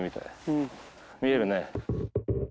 見えるね。